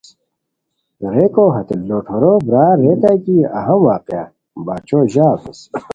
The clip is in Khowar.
ریکو ہتے لوٹھورو برار ریتائے کی اہم واقعہ باچھو ژاؤو ہیس